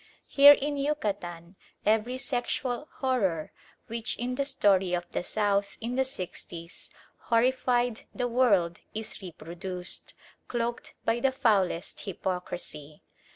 Here in Yucatan every sexual horror which in the story of the South in the 'sixties horrified the world is reproduced, cloaked by the foulest hypocrisy.